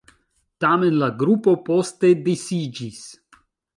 Tamen la grupo poste disiĝis.